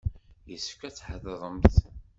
Yessefk ad tḥadremt.